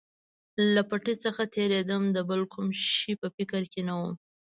له پټۍ څخه تېرېدم، د بل کوم شي په فکر کې نه ووم.